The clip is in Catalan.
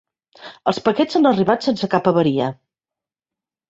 Els paquets han arribat sense cap avaria.